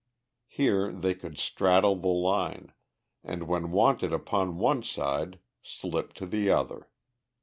Here they could "straddle" the line, and when wanted upon one side slip to the other.